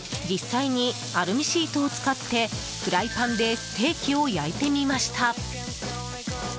実際にアルミシートを使ってフライパンでステーキを焼いてみました。